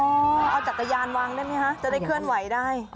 เอาจักรยานวางได้ไหมคะจะได้เคลื่อนไหวได้